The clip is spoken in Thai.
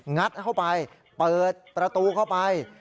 งัดเข้าไปเปิดประตูเข้าไป